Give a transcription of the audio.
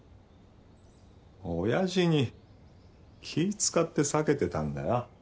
おやじに気ぃ使って避けてたんだよ。